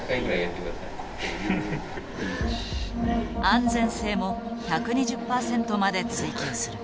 安全性も１２０％まで追求する。